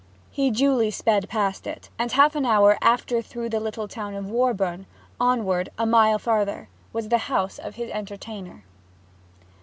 He duly sped past it, and half an hour after through the little town of Warborne. Onward, a mile farther, was the house of his entertainer.